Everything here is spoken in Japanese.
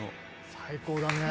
最高だね。